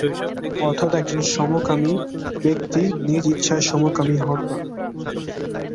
অর্থাৎ একজন সমকামী ব্যক্তি নিজ ইচ্ছায় সমকামী হন না।